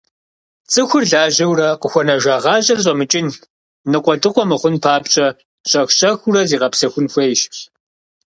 ЦӀыхур лажьэурэ къыхуэнэжа гуащӀэр щӀэмыкӀын, ныкъуэдыкъуэ мыхъун папщӀэ, щӏэх-щӏэхыурэ зигъэпсэхун хуейщ.